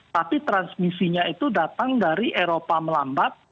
tapi transmisinya itu datang dari eropa melambat